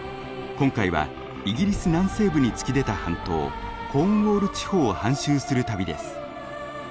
今回はイギリス南西部に突き出た半島コーンウォール地方を半周する旅です。